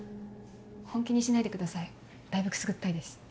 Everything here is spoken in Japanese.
本気にしないでくださいだいぶくすぐったいです。